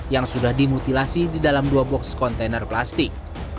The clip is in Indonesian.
yang sudah dimutilasi di dalam dua box kontainer plastik